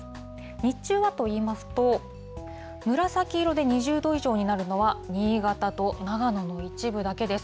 日中はといいますと、紫色で２０度以上になるのは、新潟と長野の一部だけです。